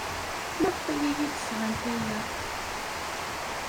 Maɣef ay iyi-d-sɣant aya?